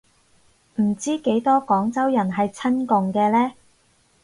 唔知幾多廣州人係親共嘅呢